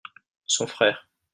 son frère.